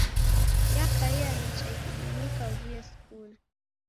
Yakaia nicha ikadimika uw'uye skulu.